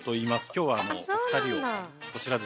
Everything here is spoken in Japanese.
今日はお二人をこちらですね